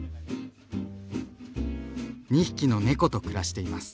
２匹の猫と暮らしています。